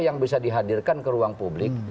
yang bisa dihadirkan ke ruang publik